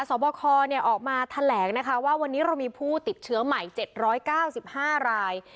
สอบคอออกมาแถลงนะคะว่าวันนี้เรามีผู้ติดเชื้อใหม่๗๙๕ราย